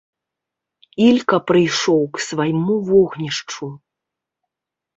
Ілька прыйшоў к свайму вогнішчу.